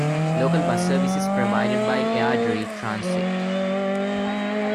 Local bus service is provided by Airdrie Transit.